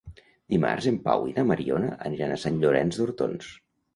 Dimarts en Pau i na Mariona aniran a Sant Llorenç d'Hortons.